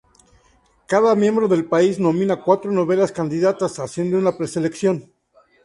Cada miembro del país nomina cuatro novelas candidatas, haciendo una preselección.